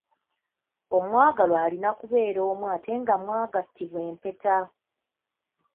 Omwagalwa alina kubeera omu ate nga mwagattibwa empeta.